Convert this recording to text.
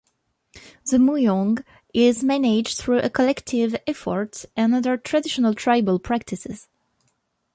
The muyong is managed through a collective effort and under traditional tribal practices.